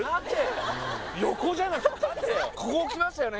縦縦ここきましたよね